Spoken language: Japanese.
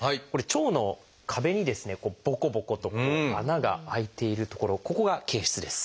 腸の壁にですねボコボコと穴が開いている所ここが憩室です。